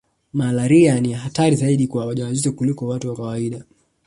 Malaria ni hatari zaidi kwa wajawazito kuliko watu wa kawaida